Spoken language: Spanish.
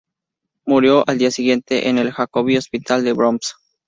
Murió al día siguiente en el Jacobi Hospital del Bronx.